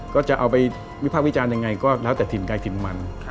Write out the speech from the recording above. ก็จะเอาไปวิภาควิจารณ์ยังไงก็แล้วแต่ถิ่นไกลถิ่นมัน